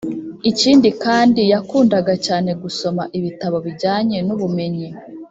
Ikindi kandi yakundaga cyane gusoma ibitabo bijyanye n’ubumenyi